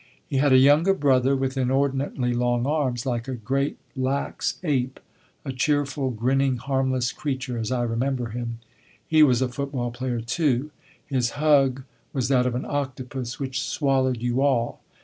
He had a younger brother with inordinately long arms, like a great lax ape, a cheerful, grinning, harmless creature as I remember him. He was a football player too; his hug was that of an octopus which swallowed you all.